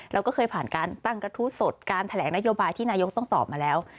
เราก็เคยผ่านการตั้งกระทู้สดการแถลงนโยบายที่นายกต้องตอบมาแล้ว